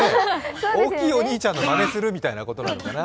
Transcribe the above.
大きいお兄ちゃんのまねをするみたいなことなのかな。